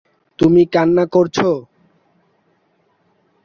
তুমি কান্না করছো!